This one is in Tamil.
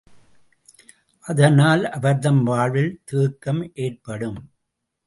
அதனால் அவர் தம் வாழ்வில் தேக்கம் ஏற்படும்.